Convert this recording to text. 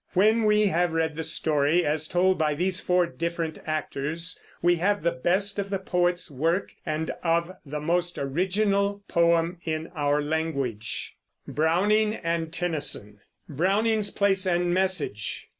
When we have read the story, as told by these four different actors, we have the best of the poet's work, and of the most original poem in our language. BROWNING'S PLACE AND MESSAGE.